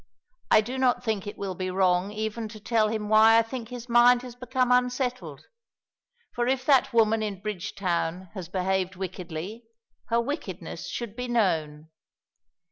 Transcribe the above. I do not think it will be wrong even to tell him why I think his mind has become unsettled, for if that woman in Bridgetown has behaved wickedly, her wickedness should be known.